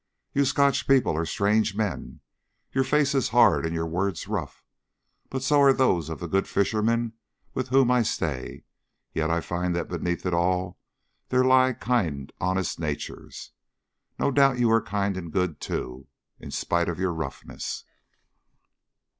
You Scotch people are strange men. Your face is hard and your words rough, but so are those of the good fishermen with whom I stay, yet I find that beneath it all there lie kind honest natures. No doubt you are kind and good, too, in spite of your roughness."